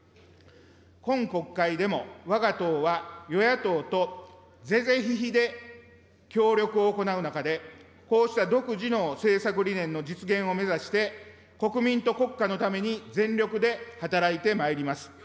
今国会でも、わが党は与野党と是々非々で協力を行う中で、こうした独自の政策理念の実現を目指して、国民と国家のために全力で働いてまいります。